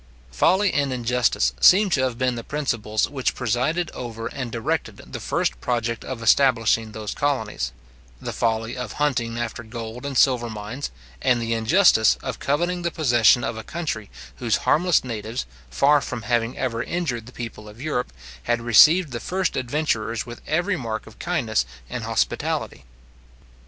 Folly and injustice seem to have been the principles which presided over and directed the first project of establishing those colonies; the folly of hunting after gold and silver mines, and the injustice of coveting the possession of a country whose harmless natives, far from having ever injured the people of Europe, had received the first adventurers with every mark of kindness and hospitality.